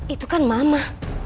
itu kan mama